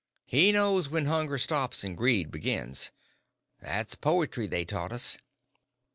He knows when hunger stops an' greed begins. That's poetry they taught us."